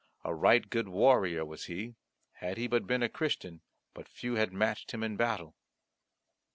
A right good warrior was he; had he but been a Christian but few had matched him in battle.